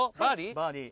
バーディー。